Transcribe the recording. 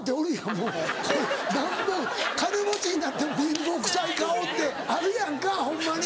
もうこれなんぼ金持ちになっても貧乏くさい顔ってあるやんかホンマに。